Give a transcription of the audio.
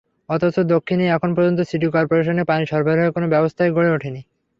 অথচ দক্ষিণে এখন পর্যন্ত সিটি করপোরেশনের পানি সরবরাহের কোনো ব্যবস্থাই গড়ে ওঠেনি।